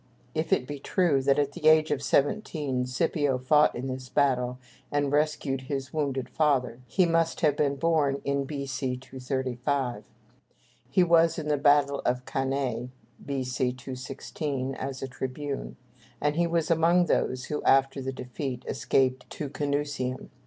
If it be true that at the age of seventeen Scipio fought in this battle, and rescued his wounded father, he must have been born in B.C. 235. He was in the battle of Cannæ (B.C. 216) as a tribune, and was among those who, after the defeat, escaped to Canusium.